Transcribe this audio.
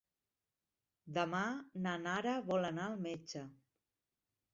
Demà na Nara vol anar al metge.